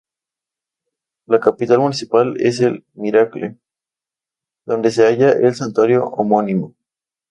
La capital municipal es El Miracle, donde se halla el santuario homónimo.